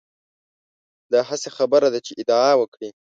دا هسې خبره ده چې ادعا وکړي.